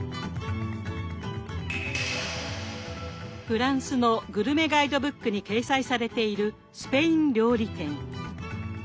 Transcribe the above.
フランスのグルメガイドブックに掲載されているスペイン料理店。